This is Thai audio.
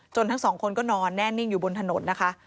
ทั้งสองคนก็นอนแน่นิ่งอยู่บนถนนนะคะ